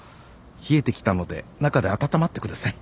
冷えてきたので中で温まってください。